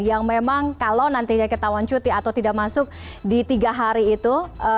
yang memang kalau nantinya ketahuan cuti atau tidak masuk di tiga hari itu